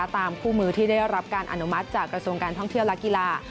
คู่มือที่ได้รับการอนุมัติจากกระทรวงการท่องเที่ยวและกีฬา